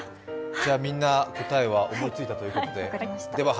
じゃ、みんな答えは思いついたということで。